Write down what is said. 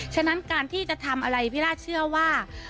ฉะนั้นการที่จะทำอะไรพี่ล่าเชื่อว่า